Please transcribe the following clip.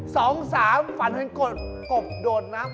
สองสามฝันเห็นกบโดดน้ำ